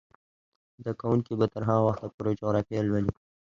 زده کوونکې به تر هغه وخته پورې جغرافیه لولي.